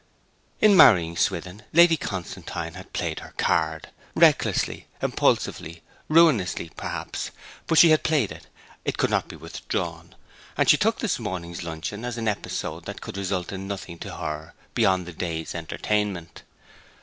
In marrying Swithin Lady Constantine had played her card, recklessly, impulsively, ruinously, perhaps; but she had played it; it could not be withdrawn; and she took this morning's luncheon as an episode that could result in nothing to her beyond the day's entertainment.